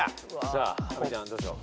さあ阿部ちゃんどうしよう？